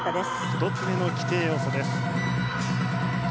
１つ目の規定要素です。